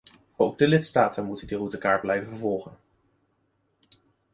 Ook de lidstaten moeten die routekaart blijven volgen.